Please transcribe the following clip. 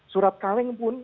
surat kaleng pun